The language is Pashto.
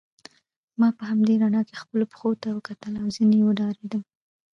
ما په همدې رڼا کې خپلو پښو ته وکتل او ځینې وډارېدم.